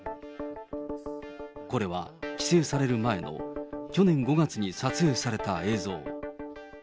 これは規制される前の去年５月に撮影された映像。